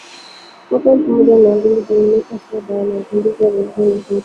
mwaka elfu moja mia tisa kumina saba na mapinduzi ya Bolsheviki chini ya kiongozi